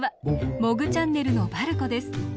モグチャンネルのばるこです。